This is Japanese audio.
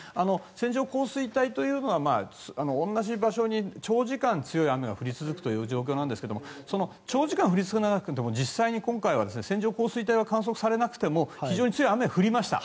線状降水帯というのは同じ場所に長時間強い雨が降り続くという状況なんですが長時間降り続かなくても実際今回は線状降水帯が観測されなくても非常に強い雨が降りました。